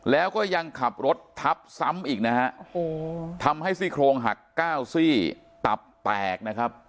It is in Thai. แล้วก็ยังขับรถทับซ้ำอีกนะฮะทำให้ซี่โครงหักเก้าซี่ตับแตกนะครับ